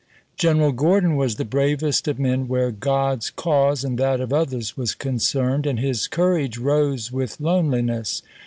General Gordon was the bravest of men where God's cause and that of others was concerned, and his courage rose with loneliness.